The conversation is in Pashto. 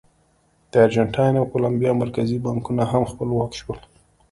د ارجنټاین او کولمبیا مرکزي بانکونه هم خپلواک شول.